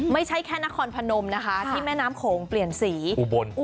ไม่ใช่แค่นครพนมนะคะที่แม่น้ำโขงเปลี่ยนสีอุบล